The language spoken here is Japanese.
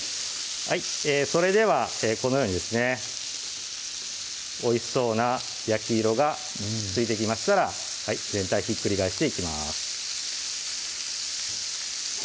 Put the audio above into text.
それではこのようにですねおいしそうな焼き色がついてきましたら全体ひっくり返していきます